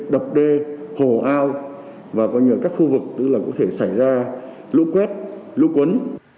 đập đê hổ ao và các khu vực có thể xảy ra lũ quét lũ cuốn